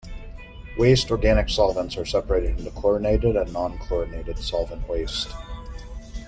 Waste organic solvents are separated into chlorinated and non-chlorinated solvent waste.